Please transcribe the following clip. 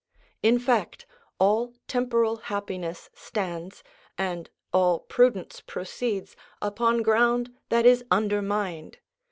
In fact, all temporal happiness stands, and all prudence proceeds, upon ground that is undermined.